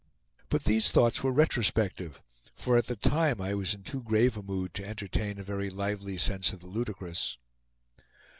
But these thoughts were retrospective, for at the time I was in too grave a mood to entertain a very lively sense of the ludicrous.